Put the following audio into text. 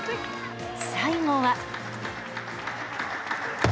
最後は。